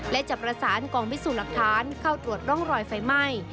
และจะประสานกองพิสูจน์หลักฐานเข้าตรวจร่องรอยไฟไหม้